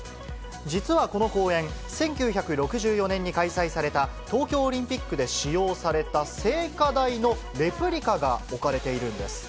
実はこの公園、１９６４年に開催された東京オリンピックで使用された聖火台のレプリカが置かれているんです。